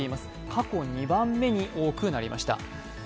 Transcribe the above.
過去２番目に多くなりました。